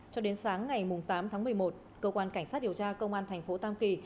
cho đến sáng ngày tám tháng một mươi một cơ quan cảnh sát điều tra công an thành phố tam kỳ